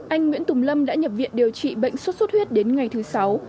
anh nguyễn tùm lâm đã nhập viện điều trị bệnh sốt xuất huyết đến ngày thứ sáu